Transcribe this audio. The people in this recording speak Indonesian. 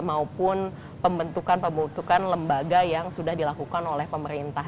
maupun pembentukan pembentukan lembaga yang sudah dilakukan oleh pemerintah